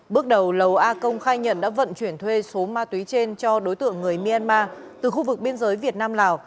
bước đầu lầu a công khai nhận đã vận chuyển thuê số ma túy trên cho đối tượng người myanmar từ khu vực biên giới việt nam lào